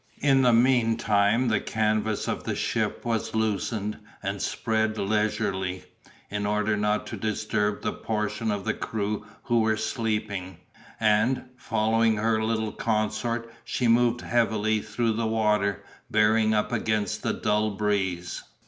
In the meantime the canvas of the ship was loosened, and spread leisurely, in order not to disturb the portion of the crew who were sleeping; and, following her little consort, she moved heavily through the water, bearing up against the dull breeze.